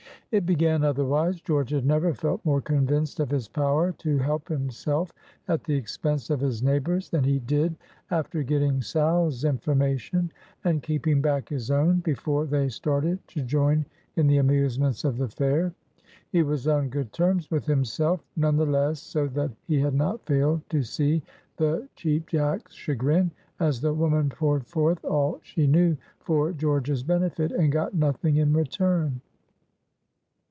It began otherwise. George had never felt more convinced of his power to help himself at the expense of his neighbors than he did after getting Sal's information, and keeping back his own, before they started to join in the amusements of the fair. He was on good terms with himself; none the less so that he had not failed to see the Cheap Jack's chagrin, as the woman poured forth all she knew for George's benefit, and got nothing in return.